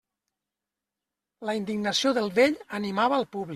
La indignació del vell animava el públic.